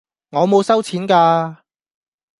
我冇收錢㗎